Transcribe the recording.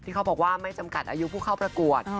เขาบอกว่าไม่จำกัดอายุผู้เข้าประกวด